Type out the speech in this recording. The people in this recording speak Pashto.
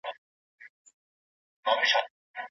که کڅوړه وي نو وسایل نه ورکیږي.